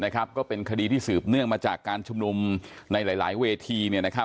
ก็เป็นคดีที่สืบเนื่องมาจากการชุมนุมในหลายเวที